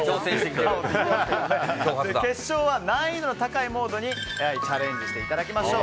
決勝は難易度の高いモードにチャンレジしていただきましょう。